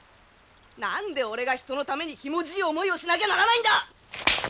何で俺が人のためにひもじい思いをしなきゃならないんだ！